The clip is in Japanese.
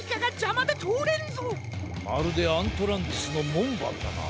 まるでアントランティスのもんばんだな。